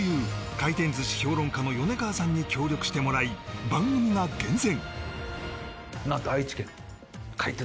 回転寿司評論家の米川さんに協力してもらい番組が厳選